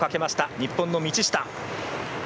日本の道下。